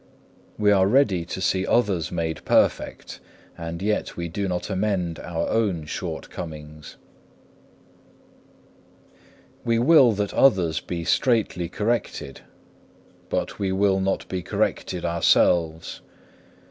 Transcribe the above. We are ready to see others made perfect, and yet we do not amend our own shortcomings. 3. We will that others be straitly corrected, but we will not be corrected ourselves.